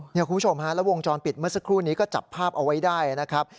คุณผู้ชมฮะแล้ววงจรปิดเมื่อสักครู่นี้ก็จับภาพเอาไว้ได้นะครับ